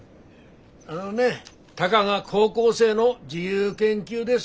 あのねたかが高校生の自由研究です。